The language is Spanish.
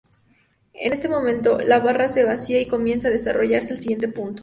En ese momento, la barra se vacía y comienza a desarrollarse el siguiente punto.